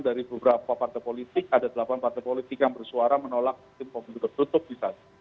dari beberapa partai politik ada delapan partai politik yang bersuara menolak sistem pemilu tertutup misalnya